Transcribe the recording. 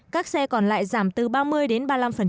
các xe còn lại giảm từ ba mươi đến ba mươi năm